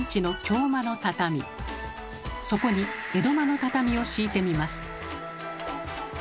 そこに江戸間の畳を敷いてみます。